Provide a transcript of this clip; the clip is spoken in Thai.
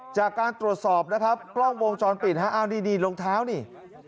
จากการตรวจสอบกล้องวงจรปิดนะครับอ้าวนี่รองเท้านี่